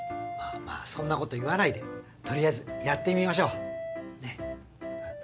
まあまあそんなこと言わないでとりあえずやってみましょう。ね。